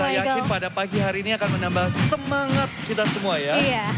dan kita yakin pada pagi hari ini akan menambah semangat kita semua ya